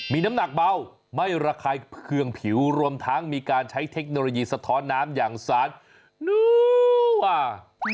มีน้ำหนักเบาไม่ระคายเคืองผิวรวมทั้งมีการใช้เทคโนโลยีสะท้อนน้ำอย่างสารนัว